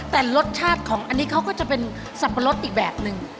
แต่รสชาติของอันนี้เขาก็จะเป็นสับปะรดอีกแบบนึง